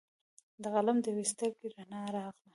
د قلم د یوي سترګې رڼا راغله